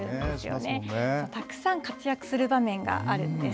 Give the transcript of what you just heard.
たくさん活躍する場面があるんです。